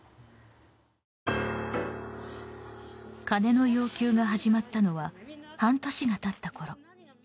金の要求が始まったのは半年が経ったころ。